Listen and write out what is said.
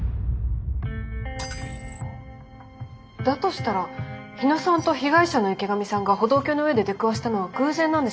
だとしたら日野さんと被害者の池上さんが歩道橋の上で出くわしたのは偶然なんでしょうか？